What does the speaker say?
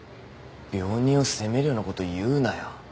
病人を責めるようなこと言うなよ。